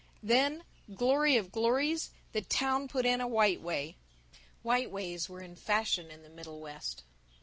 Then, glory of glories, the town put in a White Way. White Ways were in fashion in the Middlewest.